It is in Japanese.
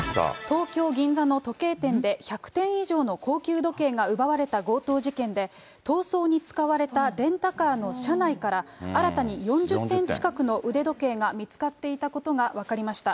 東京・銀座の時計店で、１００点以上の高級時計が奪われた強盗事件で、逃走に使われたレンタカーの車内から、新たに４０点近くの腕時計が見つかっていたことが分かりました。